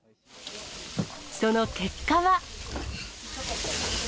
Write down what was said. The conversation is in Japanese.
その結果は。